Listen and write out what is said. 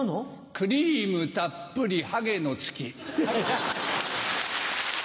クリームたっぷり「ハゲの月」。